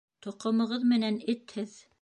Тоҡомоғоҙ менән эт һеҙ!